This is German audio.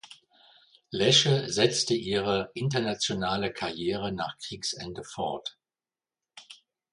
Lesche setzte ihre internationale Karriere nach Kriegsende fort.